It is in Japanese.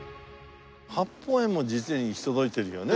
八芳園も実に行き届いてるよね。